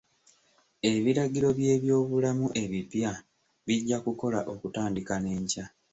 Ebiragiro by'ebyobulamu ebippya bijja kukola okutandika n'enkya.